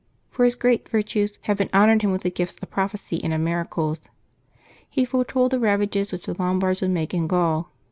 For his great virtues Heaven honored him with the gifts of prophecy and of miracles. He foretold the ravages which the Lombards would make in Gaul.